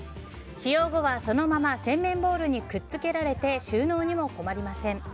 使用後は、そのまま洗面ボウルにくっつけられて収納にも困りません。